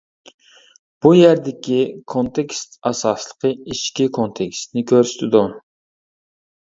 بۇ يەردىكى كونتېكىست ئاساسلىقى ئىچكى كونتېكىستنى كۆرسىتىدۇ.